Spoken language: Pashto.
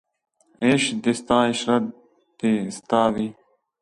عیش دې ستا عشرت دې ستا وي